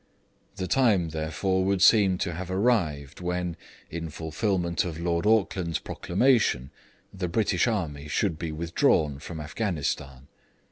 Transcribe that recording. The time therefore would seem to have arrived when, in fulfilment of Lord Auckland's proclamation, the British army should be withdrawn from Afghanistan.